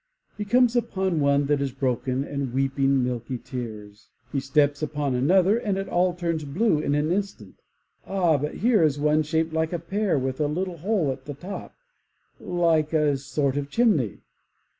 He comes upon one that is broken and weeping milky tears. He steps upon another and it all turns blue in an instant. Ah! but here is one shaped like a pear with a little hole at the top like a sort of chimney.